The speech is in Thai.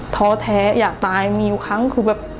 ท้อแท้อยากตายมีอยู่ครั้งคือแบบ